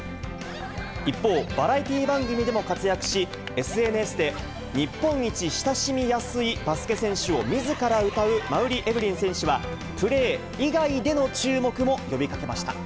一方、バラエティー番組でも活躍し、ＳＮＳで日本一親しみやすいバスケ選手をみずからうたう馬瓜エブリン選手は、プレー以外での注目も呼びかけました。